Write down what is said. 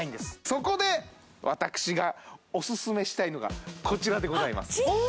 そこで私がオススメしたいのがこちらでございますあっ